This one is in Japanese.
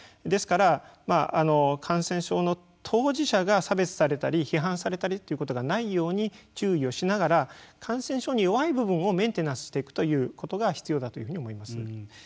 ですから、感染症の当事者が差別されたり批判されたりということがないように注意をしながら感染症に弱い部分をメンテナンスしていくということが必要だと思います。